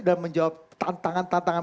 dan menjawab tantangan tantangan